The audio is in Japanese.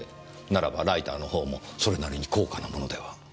ならばライターのほうもそれなりに高価なものでは？